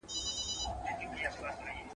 حتا که يوه جمله وي.